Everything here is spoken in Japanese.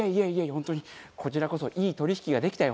本当にこちらこそいい取引ができたよ